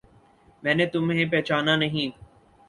میں نے تمہیں پہچانا نہیں